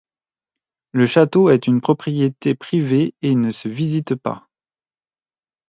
Le château est une propriété privée, et ne se visite pas.